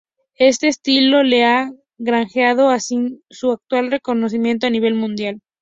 Este estilo le ha granjeado a Snyder su actual reconocimiento a nivel mundial.